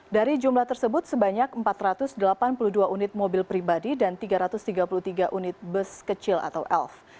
dari jumlah tersebut sebanyak empat ratus delapan puluh dua unit mobil pribadi dan tiga ratus tiga puluh tiga unit bus kecil atau elf